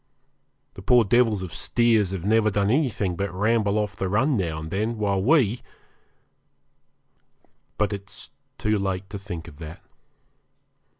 The poor devils of steers have never done anything but ramble off the run now and again, while we but it's too late to think of that.